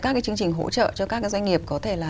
các cái chương trình hỗ trợ cho các doanh nghiệp có thể là